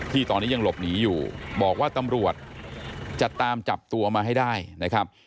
ที่ตอนนี้ยังหลบหนีอยู่บอกว่าตำรวจจะตามจับตัวมาให้ได้นะครับ